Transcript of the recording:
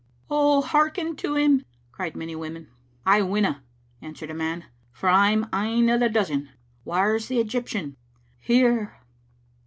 "Oh, hearken to him," cried many women. "I winna," answered a man, "for I*m ane o' the dozen. Whaur's the Egyptian?" "Here."